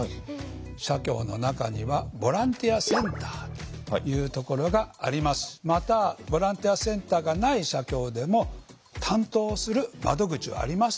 社協の中にはボランティアセンターっていうところがありますしまたボランティアセンターがない社協でも担当する窓口はありますので。